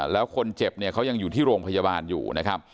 แล้วคนเจ็บเขายังอยู่ที่โรงพยาบาลอยู่